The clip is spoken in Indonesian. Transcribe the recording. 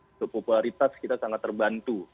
untuk popularitas kita sangat terbantu